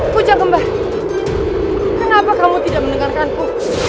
kujang gemba kenapa kamu tidak mendengarkanku